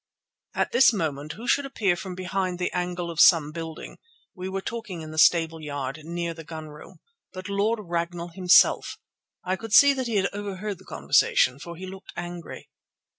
At this moment who should appear from behind the angle of some building—we were talking in the stableyard, near the gun room—but Lord Ragnall himself. I could see that he had overheard the conversation, for he looked angry.